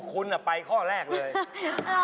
คุณอ่ะไว้ข้อแรกเลย